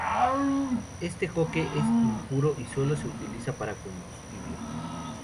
Este coque es impuro y sólo se utiliza para combustible.